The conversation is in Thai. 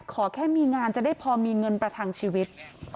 ขอแค่มีงานจะได้พอมีเงินประทังชีวิต